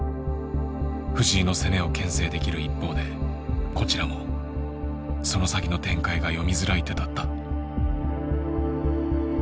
藤井の攻めを牽制できる一方でこちらもその先の展開が読みづらい手だった。